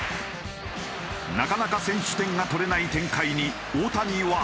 なかなか先取点が取れない展開に大谷は。